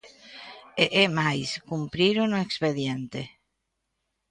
E é máis: cumpriron o expediente.